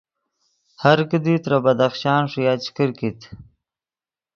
ہر کیدی ترے بدخشان ݰویا چے کرکیت